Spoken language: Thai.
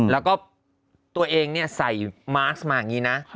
แล้วก็ตัวเองเนี่ยใส่มาสก์มาอย่างนี้นะ